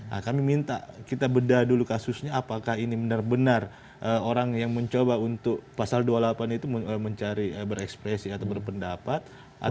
nah kami minta kita bedah dulu kasusnya apakah ini benar benar orang yang mencoba untuk pasal dua puluh delapan itu mencari berekspresi atau berpendapat